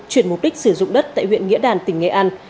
chuyển mục đích sử dụng đất tại huyện nghĩa đàn tỉnh nghệ an